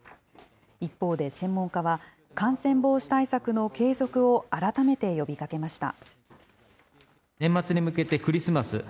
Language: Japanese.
一方で、専門家は感染防止対策の継続を改めて呼びかけました。